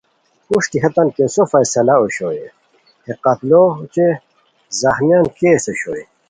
پروشٹی ہیتان کیسو فیصلہ اوشوئے ہے قتلو اوچے ہے زخمیان کیس اوشوئے